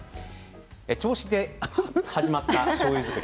銚子で始まったしょうゆ造り